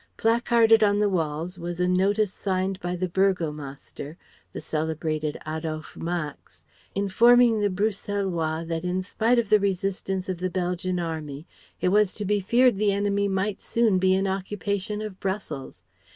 Placarded on the walls was a notice signed by the Burgomaster the celebrated Adolphe Max informing the Bruxellois that in spite of the resistances of the Belgian army it was to be feared the enemy might soon be in occupation of Brussels.